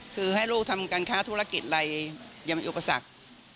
คือให้ลูกทำการค้าธุรกิจอะไรยังมีอุปสรรค